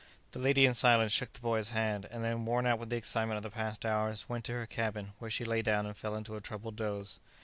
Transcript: The lady, in silence, shook the boy's hand; and then, worn out with the excitement of the past hours, went to her cabin, where she lay down and fell into a troubled doze.